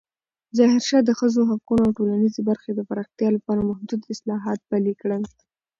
ظاهرشاه د ښځو حقونو او ټولنیزې برخې د پراختیا لپاره محدود اصلاحات پلې کړل.